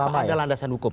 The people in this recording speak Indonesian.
tanpa ada landasan hukum